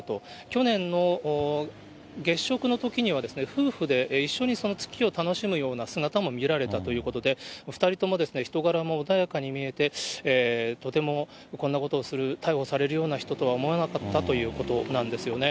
去年の月食のときには、夫婦で一緒に月を楽しむような姿も見られたということで、２人とも人柄も穏やかに見えて、とてもこんなことをする、逮捕されるような人とは思わなかったということなんですよね。